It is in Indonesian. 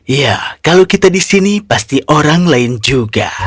iya kalau kita di sini pasti orang lain juga